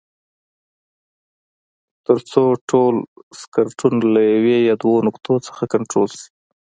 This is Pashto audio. تر څو ټول سرکټونه له یوې یا دوو نقطو څخه کنټرول شي.